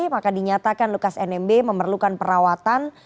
maka dinyatakan lukas nmb memerlukan perawatan